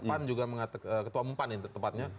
pan juga mengatakan ketua umpan ini tepatnya